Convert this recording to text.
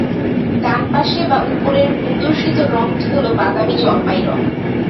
ডানপাশে বা উপরে প্রদর্শিত রঙটি হলো বাদামি জলপাই রঙ।